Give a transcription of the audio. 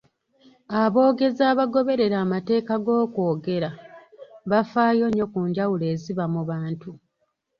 Aboogezi abagoberera amateeka g’okwogera bafaayo nnyo ku njawulo eziba mu bantu.